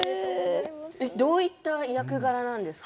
どういった役柄なんですか。